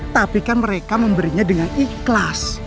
tapi kan mereka memberinya dengan ikhlas